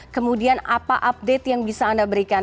kemudian apa update yang bisa anda berikan